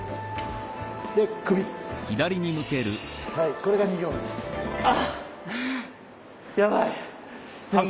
これが２行目です。